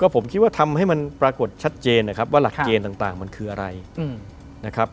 ผมคิดว่าทำให้มันปรากฏชัดเจนนะครับว่าหลักเกณฑ์ต่างมันคืออะไรนะครับ